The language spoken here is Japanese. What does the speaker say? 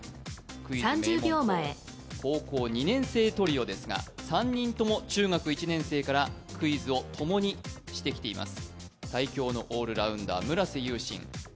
クイズ名門校、高校２年生トリオですが３人とも中学１年生からクイズをともにしてきています。